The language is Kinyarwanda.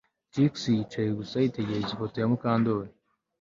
Trix yicaye gusa yitegereza ifoto ya Mukandoli